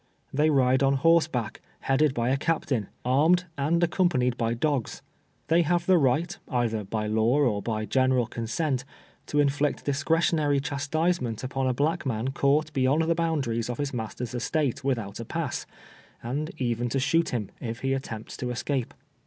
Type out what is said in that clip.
They ride on horseback, headed by a captain, armed, and accompanied by d( igs. Tliey have the right, either by law, or by general consent, to inflict discretionary chastisement upon a black man caught beyond the boundaries of his master's estate without a pass, and even to shoot him, if he attempts to escape.